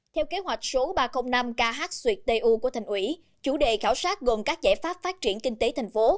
theo kế hoạch số ba trăm linh năm kh tu của thành ủy chủ đề khảo sát gồm các giải pháp phát triển kinh tế thành phố